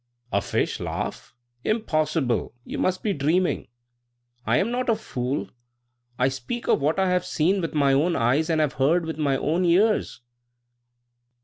"A fish laugh! Impossible! You must be dreaming." "I am not a fool. I speak of what I have seen with my own eyes and have heard with my own ears."